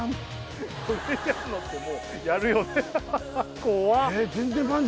これやんの？ってもうやるよ怖っ